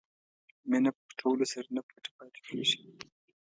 مینه په پټولو سره نه پټه پاتې کېږي.